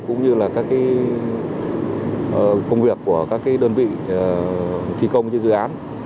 cũng như là công việc của các đơn vị thi công trên dự án